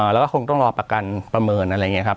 แล้วก็คงต้องรอประกันประเมินอะไรอย่างนี้ครับ